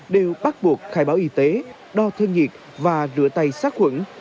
đều bắt buộc khai báo y tế đo thân nhiệt và rửa tay sát khuẩn